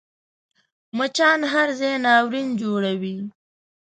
مچان هر ځای ناورین جوړوي